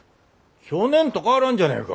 去年と変わらんじゃねえか。